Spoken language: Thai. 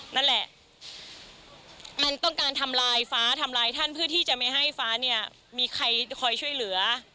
นั่นแหละมันต้องการทำลายฟ้าทำลายท่านเพื่อที่จะไม่ให้ฟ้าเนี่ยมีใครคอยช่วยเหลือ